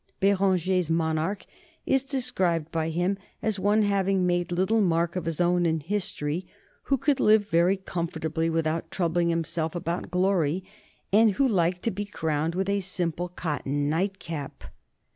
Béranger's monarch is described by him as one having made little mark of his own in history, who could live very comfortably without troubling himself about glory, and who liked to be crowned with a simple cotton nightcap.